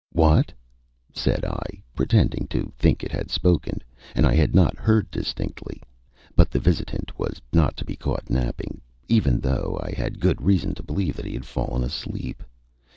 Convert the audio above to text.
"What?" said I, pretending to think it had spoken and I had not heard distinctly; but the visitant was not to be caught napping, even though I had good reason to believe that he had fallen asleep.